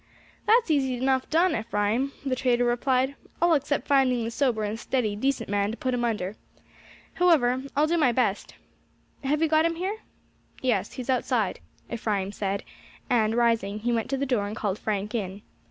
"That's easy enough done, Ephraim," the trader replied, "all except finding the sober and steady decent man to put him under. However, I will do my best. Have you got him here?" "Yes, he is outside," Ephraim said; and rising, he went to the door and called Frank in.